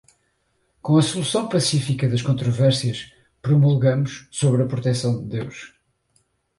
com a solução pacífica das controvérsias, promulgamos, sob a proteção de Deus